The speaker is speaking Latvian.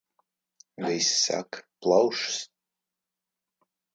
Visi saka – plaušas...